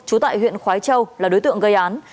trú tại huyện khói châu là đối tượng gây án